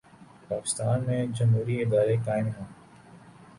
پاکستان میں جمہوری ادارے قائم ہیں۔